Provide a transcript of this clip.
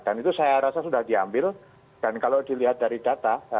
dan itu saya rasa sudah diambil dan kalau dilihat dari data